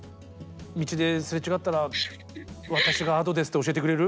道ですれ違ったら私がＡｄｏですって教えてくれる？